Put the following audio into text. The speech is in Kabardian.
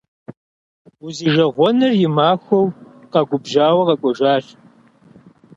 Узижэгъуэныр и махуэу къэгубжьауэ къэкӏуэжащ.